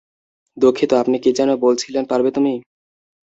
দুঃখিত আপনি কী যেনো বলেছিলেন পারবে তুমি?